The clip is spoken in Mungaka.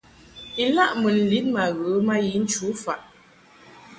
Ilaʼ mun lin ma ghə ma yi nchu faʼ.